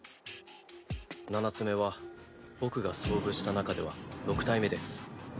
七つ眼は僕が遭遇した中では６体目です。